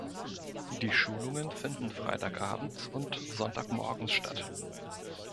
Die Schulungen finden freitagabends und sonntagmorgens statt.